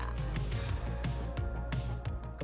kepala kota tua